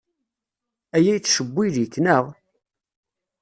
Aya yettcewwil-ik, naɣ?